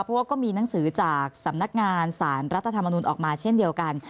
เพราะว่าก็มีหนังสือจากสำนักงานสารรัฐธรรมนุนออกมาเช่นเดียวกัน